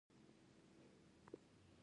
د ګازرې جوس د سترګو لپاره ښه دی.